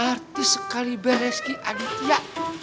artis sekali bayar reski aditya